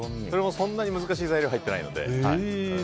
そんなに難しい材料入っていないので。